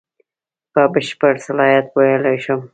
په بشپړ صلاحیت ویلای شم.